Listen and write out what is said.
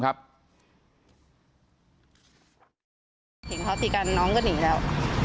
เห็นเขาตีกันน้องก็หนีแล้ว